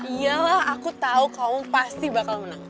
iya lah aku tau kamu pasti bakal menang